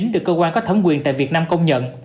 được cơ quan có thẩm quyền tại việt nam công nhận